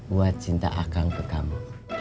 buat cinta akan ke kamu